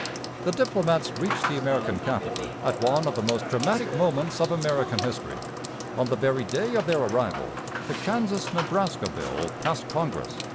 The diplomats reached the American capital at one of the most dramatic moments of American history. On the very day of their arrival the Kansas Nebraska Bill passed Congress.